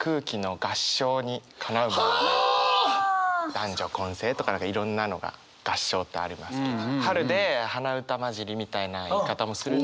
男女混声とかいろんなのが合唱ってありますけど春で鼻歌交じりみたいな言い方もするので。